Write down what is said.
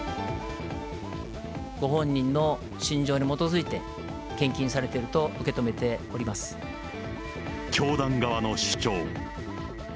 ご本人の信条に基づいて、献金されていると受け止めておりま教団側の主張。